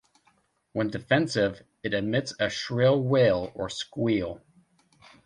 When defensive, it emits a shrill wail or squeal.